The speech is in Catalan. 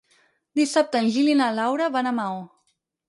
Dissabte en Gil i na Laura van a Maó.